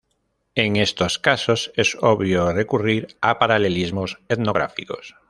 En estos casos es obvio recurrir a paralelismos etnográficos.